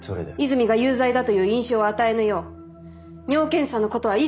泉が有罪だという印象を与えぬよう尿検査のことは一切触れません。